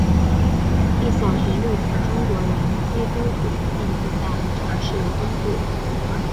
一小群热情的中国人基督徒散布在城市的东部。